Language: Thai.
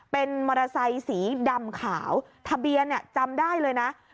เป็นมอเตอร์ไซค์สีดำขาวทะเบียนจำได้เลยนะ